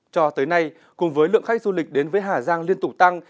cho tới nay cùng với lượng khách du lịch đến với hà giang liên tục tăng